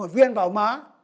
một viên vào má